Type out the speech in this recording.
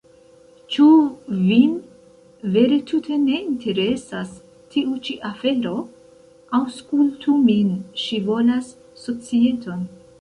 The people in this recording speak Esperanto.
Ĉu Vin vere tute ne interesas tiu ĉi afero? Aŭskultu min, ŝi volas societon!